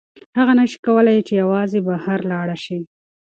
هغه نشي کولی چې یوازې بهر لاړه شي.